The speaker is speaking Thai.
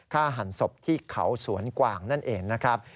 หันศพที่เขาสวนกวางนั่นเองนะครับ